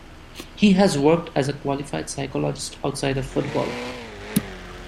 He has worked as a qualified psychologist outside of football.